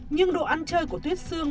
nhưng độ ăn chơi của tuyết xương